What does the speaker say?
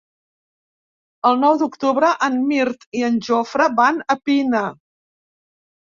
El nou d'octubre en Mirt i en Jofre van a Pina.